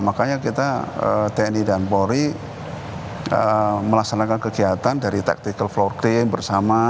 makanya kita tni dan polri melaksanakan kegiatan dari tactical floor game bersama